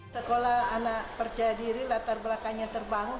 sekolah anak percaya diri latar belakangnya terbangun